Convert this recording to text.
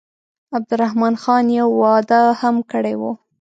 عبدالرحمن خان یو واده هم کړی وو.